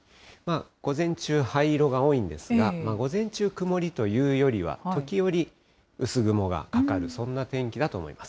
午前中、灰色が多いんですが、午前中曇りというよりは、時折、薄雲がかかる、そんな天気だと思います。